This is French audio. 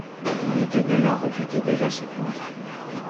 Mais Deneulin regrettait déjà ses plaintes.